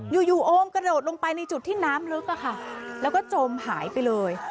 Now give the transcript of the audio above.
อยู่อยู่โอมกระโดดลงไปในจุดที่น้ำลึกอะค่ะแล้วก็จมหายไปเลย